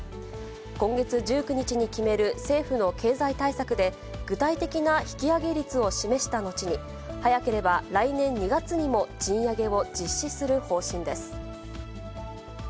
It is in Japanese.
今月１９日に決める政府の経済対策で、具体的な引き上げ率を示した後に、早ければ来年２月にも、賃上げを実施する方針です。